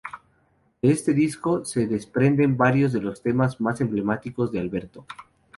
De este disco se desprenden varios de los temas más emblemáticos de Alberto.